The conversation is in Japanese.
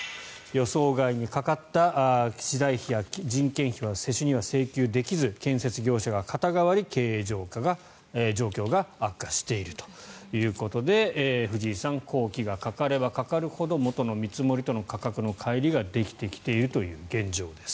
予想外にかかった資材費や人件費は施主には請求できず建設業者が肩代わり経営状況が悪化しているということで藤井さん工期がかかればかかるほど元の見積もりとの価格のかい離ができているという現状です。